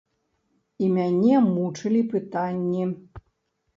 І мяне мучылі пытанні.